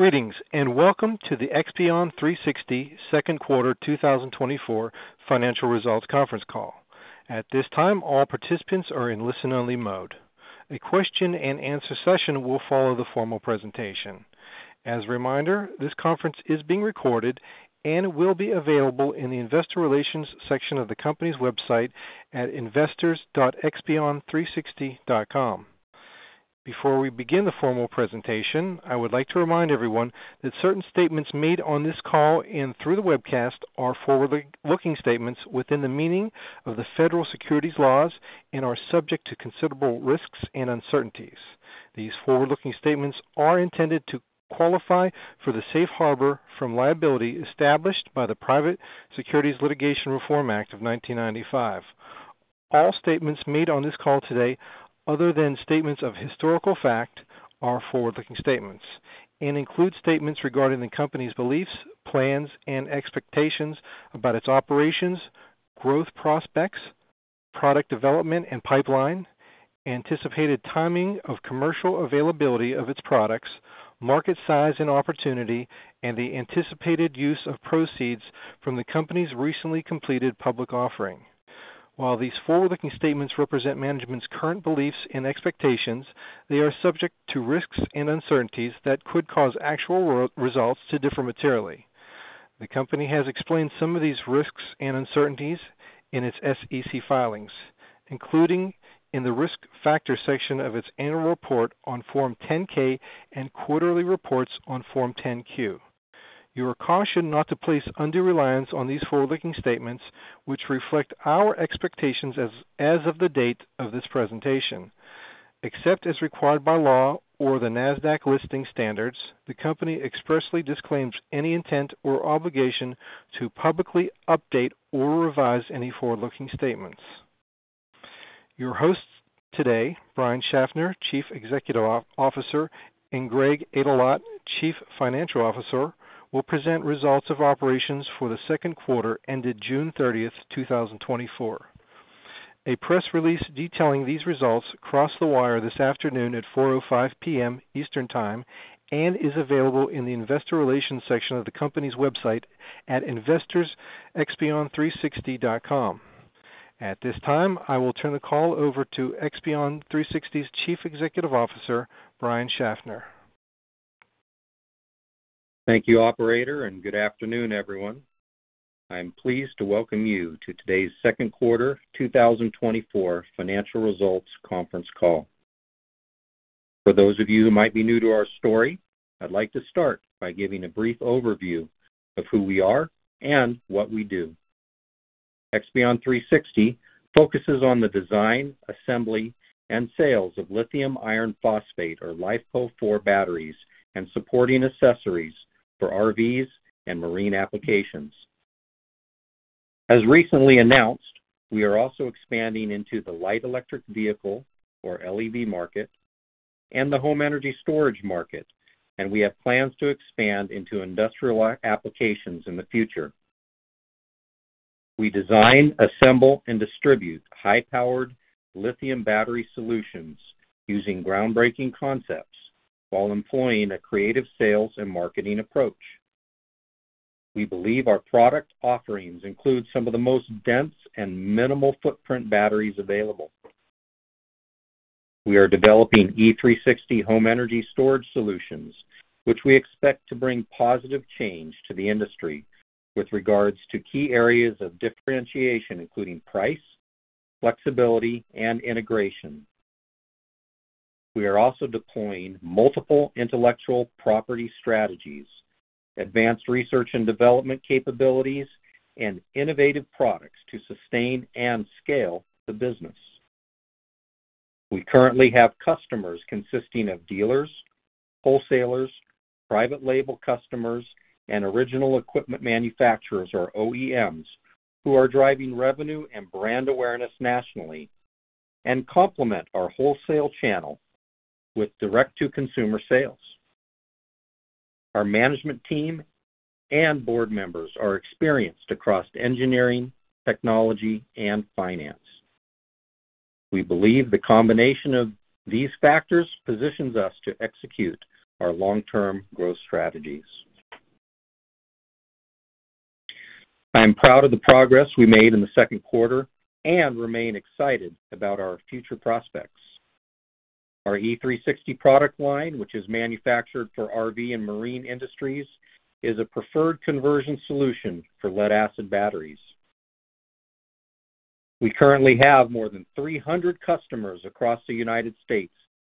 Greetings, and welcome to the Expion360 second quarter 2024 financial results conference call. At this time, all participants are in listen-only mode. A question-and-answer session will follow the formal presentation. As a reminder, this conference is being recorded and will be available in the Investor Relations section of the company's website at investors.expion360.com. Before we begin the formal presentation, I would like to remind everyone that certain statements made on this call and through the webcast are forward-looking statements within the meaning of the federal securities laws and are subject to considerable risks and uncertainties. These forward-looking statements are intended to qualify for the safe harbor from liability established by the Private Securities Litigation Reform Act of 1995. All statements made on this call today, other than statements of historical fact, are forward-looking statements and include statements regarding the company's beliefs, plans, and expectations about its operations, growth prospects, product development and pipeline, anticipated timing of commercial availability of its products, market size and opportunity, and the anticipated use of proceeds from the company's recently completed public offering. While these forward-looking statements represent management's current beliefs and expectations, they are subject to risks and uncertainties that could cause actual results to differ materially. The company has explained some of these risks and uncertainties in its SEC filings, including in the Risk Factors section of its annual report on Form 10-K and quarterly reports on Form 10-Q. You are cautioned not to place undue reliance on these forward-looking statements, which reflect our expectations as of the date of this presentation. Except as required by law or the NASDAQ listing standards, the company expressly disclaims any intent or obligation to publicly update or revise any forward-looking statements. Your hosts today, Brian Schaffner, Chief Executive Officer, and Greg Aydelott, Chief Financial Officer, will present results of operations for the second quarter ended June 30th, 2024. A press release detailing these results crossed the wire this afternoon at 4:05 P.M. Eastern Time and is available in the Investor Relations section of the company's website at investorsexpion360.com. At this time, I will turn the call over to Expion360's Chief Executive Officer, Brian Schaffner. Thank you, operator, and good afternoon, everyone. I'm pleased to welcome you to today's second quarter 2024 financial results conference call. For those of you who might be new to our story, I'd like to start by giving a brief overview of who we are and what we do. Expion360 focuses on the design, assembly, and sales of lithium iron phosphate, or LiFePO4, batteries and supporting accessories for RVs and marine applications. As recently announced, we are also expanding into the light electric vehicle, or LEV, market and the home energy storage market, and we have plans to expand into industrial applications in the future. We design, assemble, and distribute high-powered lithium battery solutions using groundbreaking concepts while employing a creative sales and marketing approach. We believe our product offerings include some of the most dense and minimal footprint batteries available. We are developing E360 home energy storage solutions, which we expect to bring positive change to the industry with regards to key areas of differentiation, including price, flexibility, and integration. We are also deploying multiple intellectual property strategies, advanced research and development capabilities, and innovative products to sustain and scale the business. We currently have customers consisting of dealers, wholesalers, private label customers, and original equipment manufacturers, or OEMs, who are driving revenue and brand awareness nationally and complement our wholesale channel with direct-to-consumer sales. Our management team and board members are experienced across engineering, technology, and finance. We believe the combination of these factors positions us to execute our long-term growth strategies. I am proud of the progress we made in the second quarter and remain excited about our future prospects. Our E360 product line, which is manufactured for RV and marine industries, is a preferred conversion solution for lead-acid batteries. We currently have more than 300 customers across the United States,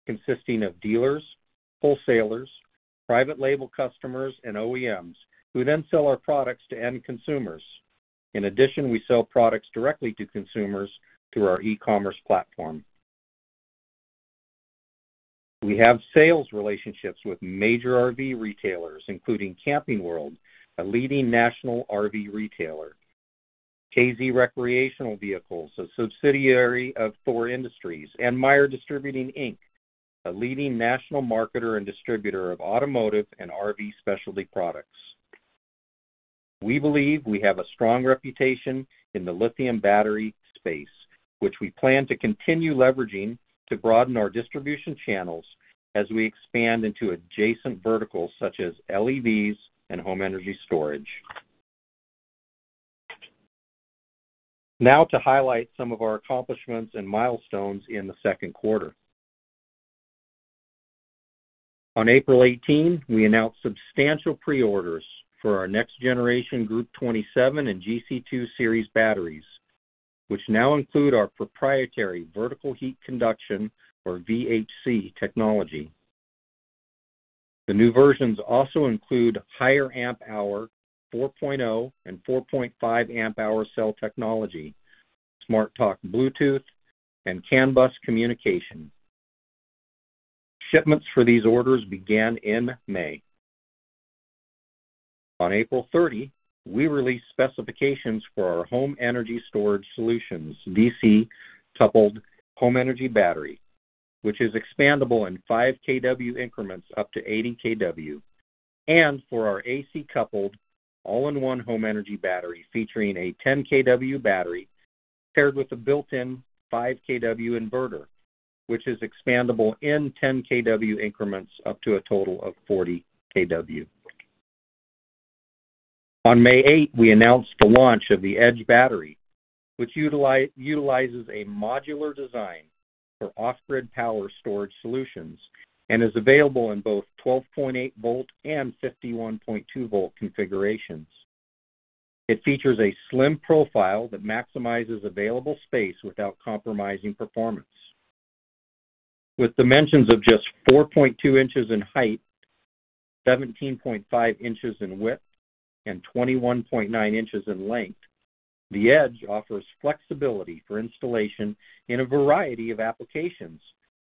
consisting of dealers, wholesalers, private label customers, and OEMs, who then sell our products to end consumers. In addition, we sell products directly to consumers through our e-commerce platform. We have sales relationships with major RV retailers, including Camping World, a leading national RV retailer, KZ Recreational Vehicles, a subsidiary of Thor Industries, and Meyer Distributing, Inc., a leading national marketer and distributor of automotive and RV specialty products.... We believe we have a strong reputation in the lithium battery space, which we plan to continue leveraging to broaden our distribution channels as we expand into adjacent verticals such as LEVs and home energy storage. Now to highlight some of our accomplishments and milestones in the second quarter. On April 18, we announced substantial pre-orders for our next generation Group 27 and GC2 series batteries, which now include our proprietary vertical heat conduction, or VHC technology. The new versions also include higher amp hour, 4.0 and 4.5 amp hour cell technology, SmartTalk Bluetooth, and CAN bus communication. Shipments for these orders began in May. On April 30, we released specifications for our home energy storage solutions, DC-coupled home energy battery, which is expandable in 5 kW increments up to 80 kW, and for our AC-coupled all-in-one home energy battery, featuring a 10 kW battery paired with a built-in 5 kW inverter, which is expandable in 10 kW increments up to a total of 40 kW. On May 8, we announced the launch of the Edge battery, which utilizes a modular design for off-grid power storage solutions and is available in both 12.8 volt and 51.2 volt configurations. It features a slim profile that maximizes available space without compromising performance. With dimensions of just 4.2 in height, 17.5 in width, and 21.9 in length, the Edge offers flexibility for installation in a variety of applications,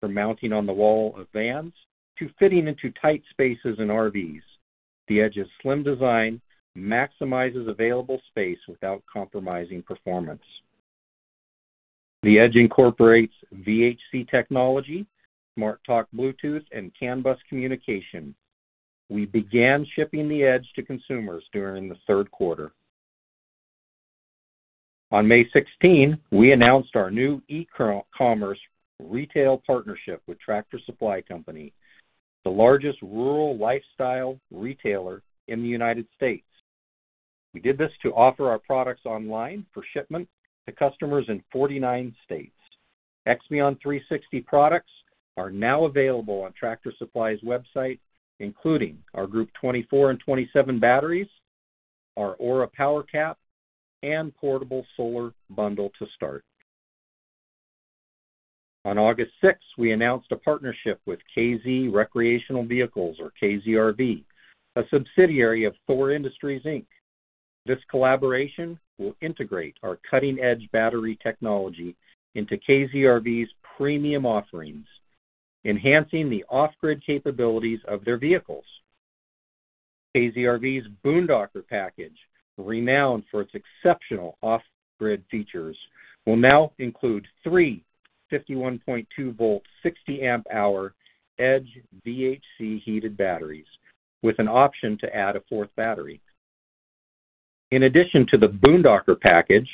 from mounting on the wall of vans to fitting into tight spaces in RVs. The Edge's slim design maximizes available space without compromising performance. The Edge incorporates VHC technology, SmartTalk Bluetooth, and CAN bus communication. We began shipping the Edge to consumers during the third quarter. On May 16, we announced our new e-commerce retail partnership with Tractor Supply Company, the largest rural lifestyle retailer in the United States. We did this to offer our products online for shipment to customers in 49 states. Expion360 products are now available on Tractor Supply's website, including our Group 24 and 27 batteries, our Aura Power Cap, and portable solar bundle to start. On August 6th, we announced a partnership with KZ Recreational Vehicles, or KZRV, a subsidiary of Thor Industries, Inc. This collaboration will integrate our cutting-edge battery technology into KZRV's premium offerings, enhancing the off-grid capabilities of their vehicles. KZRV's Boondocker package, renowned for its exceptional off-grid features, will now include 3 51.2-volt, 60 amp hour Edge VHC heated batteries, with an option to add a fourth battery. In addition to the Boondocker package,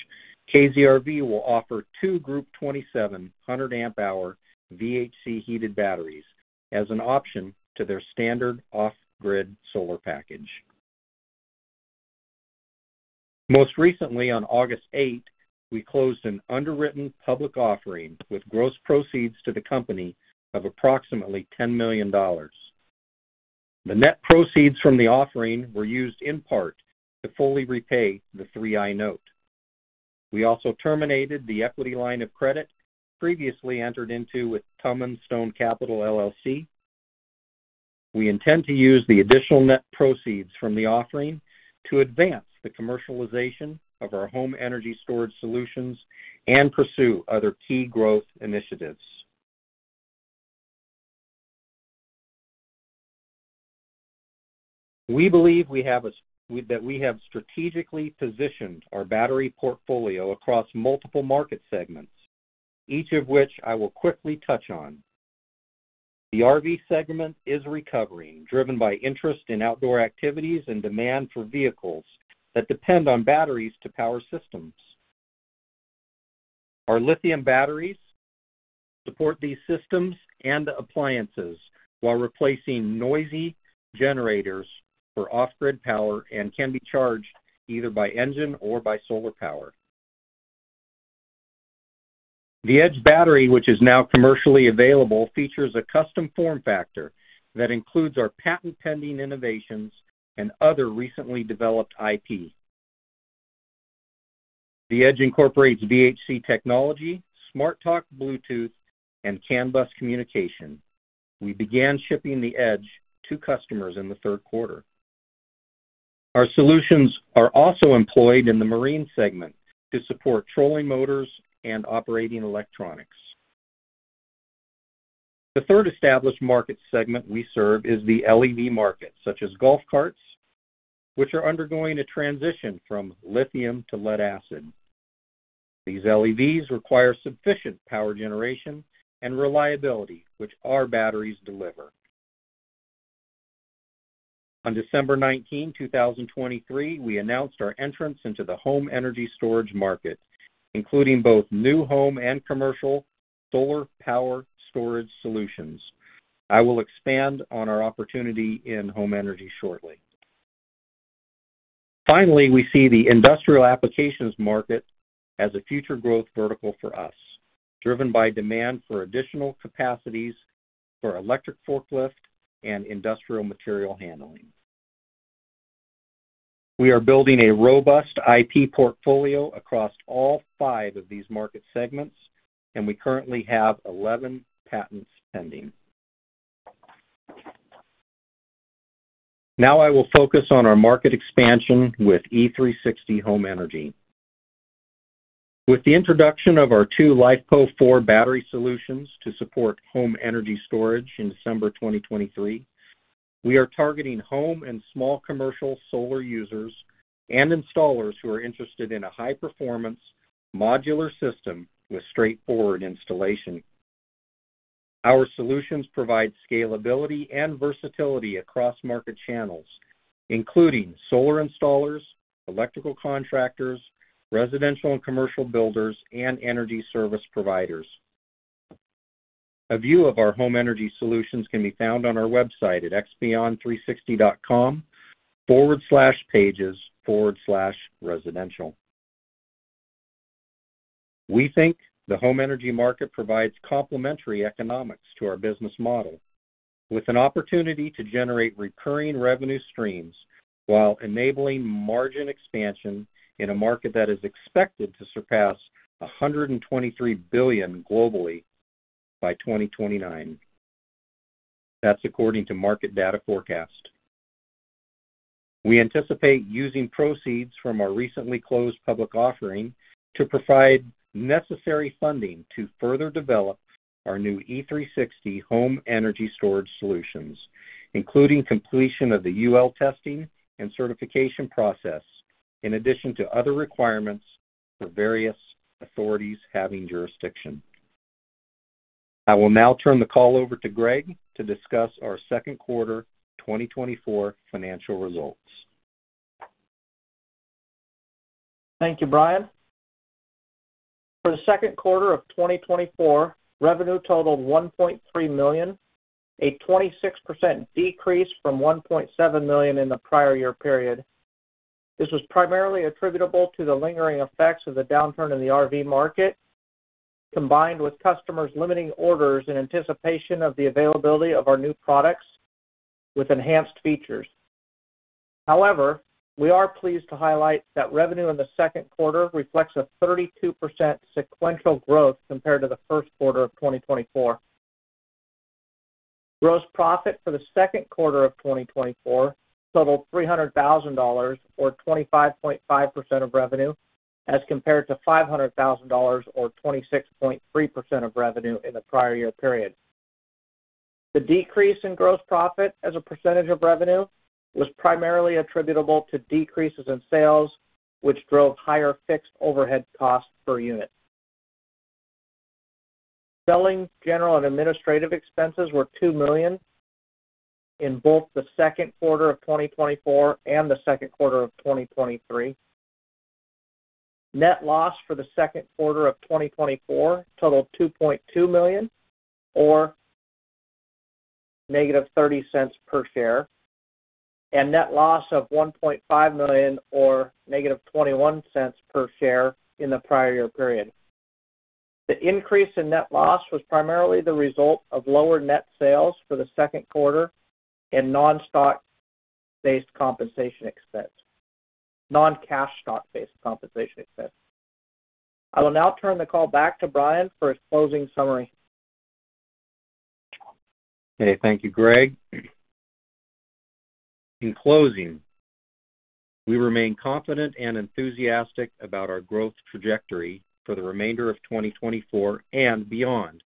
KZRV will offer two Group 27 100 amp hour VHC heated batteries as an option to their standard off-grid solar package. Most recently, on August 8, we closed an underwritten public offering with gross proceeds to the company of approximately $10 million. The net proceeds from the offering were used in part to fully repay the 3i note. We also terminated the equity line of credit previously entered into with Tumim Stone Capital, LLC. We intend to use the additional net proceeds from the offering to advance the commercialization of our home energy storage solutions and pursue other key growth initiatives. We believe that we have strategically positioned our battery portfolio across multiple market segments, each of which I will quickly touch on. The RV segment is recovering, driven by interest in outdoor activities and demand for vehicles that depend on batteries to power systems. Our lithium batteries support these systems and appliances while replacing noisy generators for off-grid power and can be charged either by engine or by solar power. The Edge battery, which is now commercially available, features a custom form factor that includes our patent-pending innovations and other recently developed IP. The Edge incorporates VHC technology, SmartTalk Bluetooth, and CAN bus communication. We began shipping the Edge to customers in the third quarter. Our solutions are also employed in the marine segment to support trolling motors and operating electronics. The third established market segment we serve is the LEV market, such as golf carts, which are undergoing a transition from lithium to lead acid. These LEVs require sufficient power generation and reliability, which our batteries deliver. On December 19, 2023, we announced our entrance into the home energy storage market, including both new home and commercial solar power storage solutions. I will expand on our opportunity in home energy shortly. Finally, we see the industrial applications market as a future growth vertical for us, driven by demand for additional capacities for electric forklift and industrial material handling. We are building a robust IP portfolio across all five of these market segments, and we currently have 11 patents pending. Now I will focus on our market expansion with E360 Home Energy. With the introduction of our two LiFePO4 battery solutions to support home energy storage in December 2023, we are targeting home and small commercial solar users and installers who are interested in a high-performance, modular system with straightforward installation. Our solutions provide scalability and versatility across market channels, including solar installers, electrical contractors, residential and commercial builders, and energy service providers. A view of our home energy solutions can be found on our website at expion360.com/pages/residential. We think the home energy market provides complementary economics to our business model, with an opportunity to generate recurring revenue streams while enabling margin expansion in a market that is expected to surpass $123 billion globally by 2029. That's according to Market Data Forecast. We anticipate using proceeds from our recently closed public offering to provide necessary funding to further develop our new E360 Home Energy Storage Solutions, including completion of the UL testing and certification process, in addition to other requirements for various authorities having jurisdiction. I will now turn the call over to Greg to discuss our second quarter 2024 financial results. Thank you, Brian. For the second quarter of 2024, revenue totaled $1.3 million, a 26% decrease from $1.7 million in the prior year period. This was primarily attributable to the lingering effects of the downturn in the RV market, combined with customers limiting orders in anticipation of the availability of our new products with enhanced features. However, we are pleased to highlight that revenue in the second quarter of 2024 reflects a 32% sequential growth compared to the first quarter of 2024. Gross profit for the second quarter of 2024 totaled $300,000, or 25.5% of revenue, as compared to $500,000 or 26.3% of revenue in the prior year period. The decrease in gross profit as a percentage of revenue was primarily attributable to decreases in sales, which drove higher fixed overhead costs per unit. Selling, general, and administrative expenses were $2 million in both the second quarter of 2024 and the second quarter of 2023. Net loss for the second quarter of 2024 totaled $2.2 million or -$0.30 per share, and net loss of $1.5 million, or -$0.21 per share in the prior year period. The increase in net loss was primarily the result of lower net sales for the second quarter and non-stock-based compensation expense. Non-cash stock-based compensation expense. I will now turn the call back to Brian for a closing summary. Okay. Thank you, Greg. In closing, we remain confident and enthusiastic about our growth trajectory for the remainder of 2024 and beyond.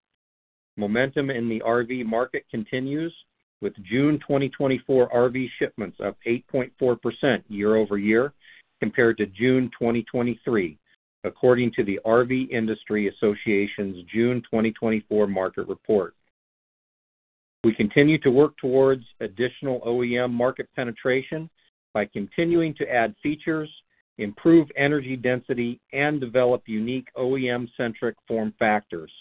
Momentum in the RV market continues, with June 2024 RV shipments up 8.4% year-over-year compared to June 2023, according to the RV Industry Association's June 2024 market report. We continue to work towards additional OEM market penetration by continuing to add features, improve energy density, and develop unique OEM-centric form factors.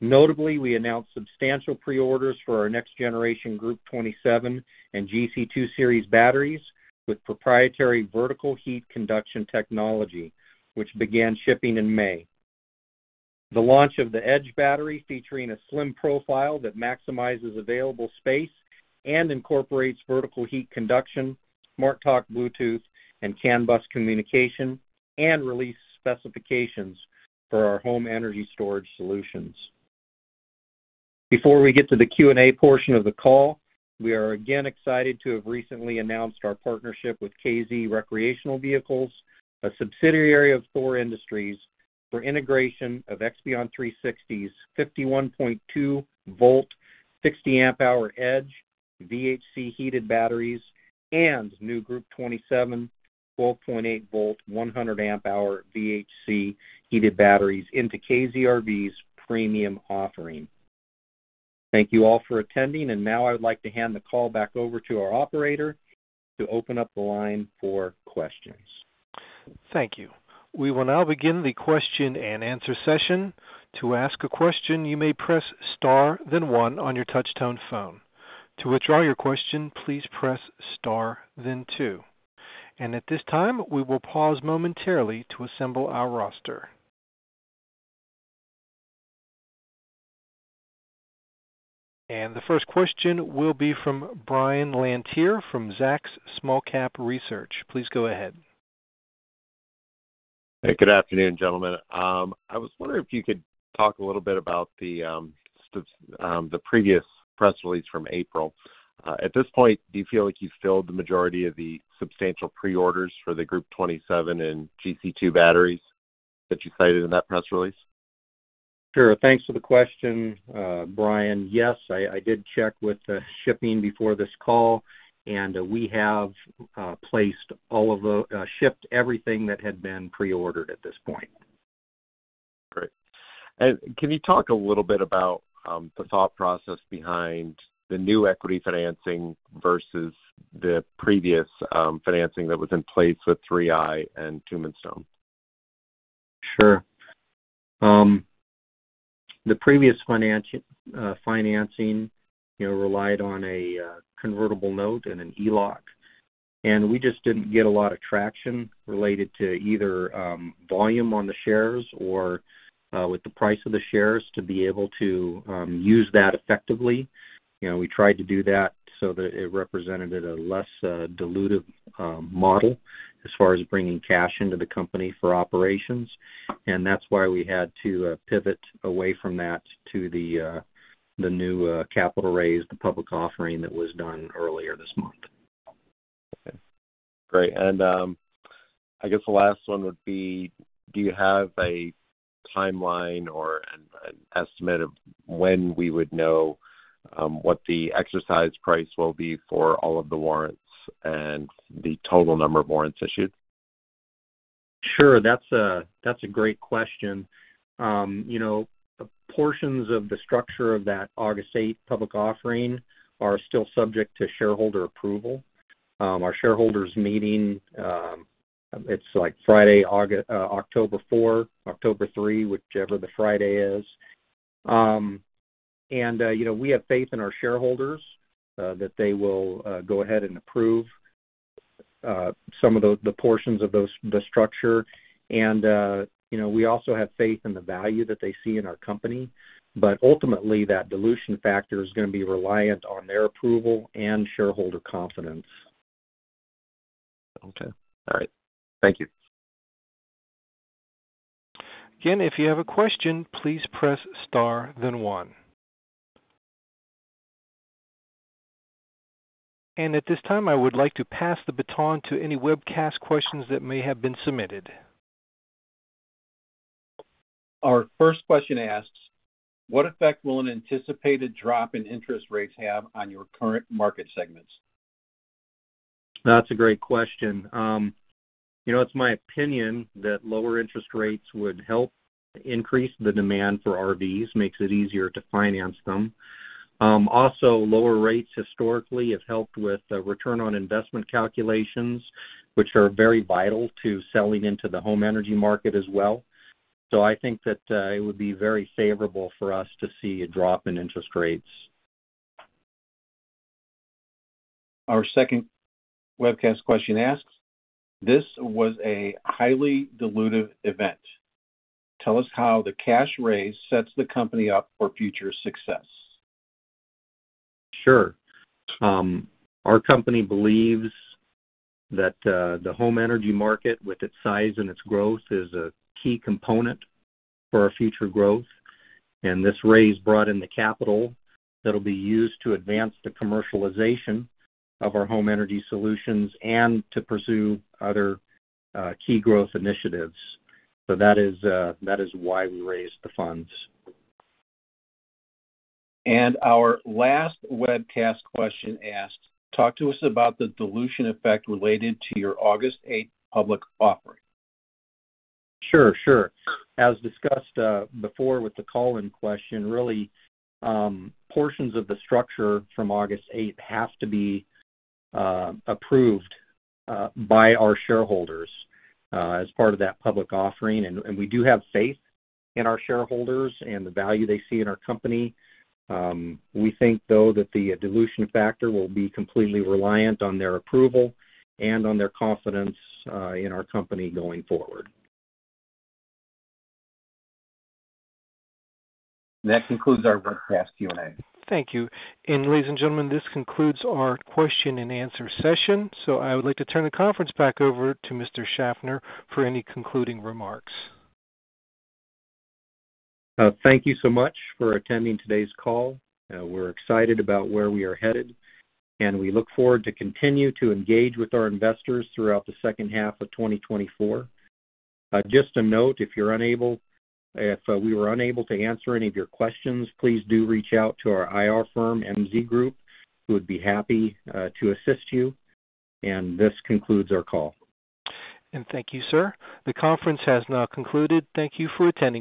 Notably, we announced substantial pre-orders for our next generation Group 27 and GC2 series batteries with proprietary vertical heat conduction technology, which began shipping in May. The launch of the Edge battery, featuring a slim profile that maximizes available space and incorporates vertical heat conduction, SmartTalk Bluetooth, and CAN Bus Communication, and release specifications for our home energy storage solutions. Before we get to the Q&A portion of the call, we are again excited to have recently announced our partnership with KZ Recreational Vehicles, a subsidiary of Thor Industries, for integration of Expion360's 51.2-volt, 60 amp hour Edge VHC heated batteries and new Group 27, 12.8-volt, 100 amp hour VHC heated batteries into KZ RV's premium offering. Thank you all for attending, and now I would like to hand the call back over to our operator to open up the line for questions. Thank you. We will now begin the question-and-answer session. To ask a question, you may press star then one on your touch-tone phone. To withdraw your question, please press star then two. And at this time, we will pause momentarily to assemble our roster. And the first question will be from Brian Lantier from Zacks Small Cap Research. Please go ahead. Hey, good afternoon, gentlemen. I was wondering if you could talk a little bit about the previous press release from April. At this point, do you feel like you've filled the majority of the substantial pre-orders for the Group 27 and GC2 batteries that you cited in that press release? Sure. Thanks for the question, Brian. Yes, I did check with the shipping before this call, and we have placed all of the shipped everything that had been pre-ordered at this point. Great. And can you talk a little bit about the thought process behind the new equity financing versus the previous financing that was in place with 3i and Tombstone? Sure. The previous financing, you know, relied on a convertible note and an ELOC, and we just didn't get a lot of traction related to either volume on the shares or with the price of the shares to be able to use that effectively. You know, we tried to do that so that it represented a less dilutive model as far as bringing cash into the company for operations, and that's why we had to pivot away from that to the new capital raise, the public offering that was done earlier this month. Okay, great. And, I guess the last one would be: Do you have a timeline or an estimate of when we would know what the exercise price will be for all of the warrants and the total number of warrants issued? Sure. That's a great question. You know, portions of the structure of that August 8 public offering are still subject to shareholder approval. Our shareholders meeting, it's like Friday, October 4, October 3, whichever the Friday is. And you know, we have faith in our shareholders that they will go ahead and approve some of the portions of those the structure. And you know, we also have faith in the value that they see in our company, but ultimately, that dilution factor is gonna be reliant on their approval and shareholder confidence. Okay. All right. Thank you. Again, if you have a question, please press Star then one. At this time, I would like to pass the baton to any webcast questions that may have been submitted. Our first question asks, "What effect will an anticipated drop in interest rates have on your current market segments? That's a great question. You know, it's my opinion that lower interest rates would help increase the demand for RVs, makes it easier to finance them. Also, lower rates historically have helped with return on investment calculations, which are very vital to selling into the home energy market as well. So I think that it would be very favorable for us to see a drop in interest rates. Our second webcast question asks, "This was a highly dilutive event. Tell us how the cash raise sets the company up for future success. Sure. Our company believes that the home energy market, with its size and its growth, is a key component for our future growth, and this raise brought in the capital that'll be used to advance the commercialization of our home energy solutions and to pursue other key growth initiatives. So that is why we raised the funds. Our last webcast question asked, "Talk to us about the dilution effect related to your August 8th public offering. Sure, sure. As discussed, before with the call-in question, really, portions of the structure from August 8 have to be approved by our shareholders as part of that public offering. And we do have faith in our shareholders and the value they see in our company. We think, though, that the dilution factor will be completely reliant on their approval and on their confidence in our company going forward. That concludes our webcast Q&A. Thank you. Ladies and gentlemen, this concludes our question-and-answer session, so I would like to turn the conference back over to Mr. Schaffner for any concluding remarks. Thank you so much for attending today's call. We're excited about where we are headed, and we look forward to continue to engage with our investors throughout the second half of 2024. Just a note, if we were unable to answer any of your questions, please do reach out to our IR firm, MZ Group, who would be happy to assist you. This concludes our call. Thank you, sir. The conference has now concluded. Thank you for attending.